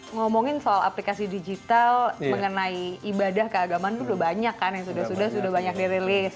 ngomongin soal aplikasi digital mengenai ibadah keagamaan itu sudah banyak kan yang sudah sudah banyak dirilis